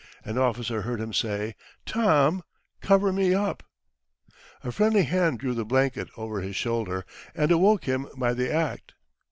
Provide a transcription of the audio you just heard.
An officer heard him say, "Tom, cover me up." A friendly hand drew the blanket over his shoulder, and awoke him by the act.